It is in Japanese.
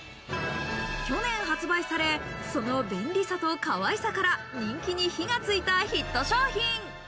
去年発売され、その便利さと、かわいさから人気に火がついたヒット商品。